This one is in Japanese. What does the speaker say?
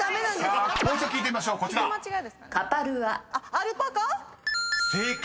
「アルパカ」⁉［正解。